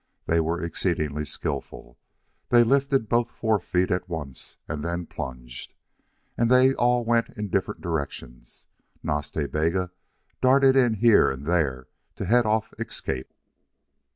They were exceedingly skilful; they lifted both forefeet at once, and then plunged. And they all went in different directions. Nas Ta Bega darted in here and there to head off escape.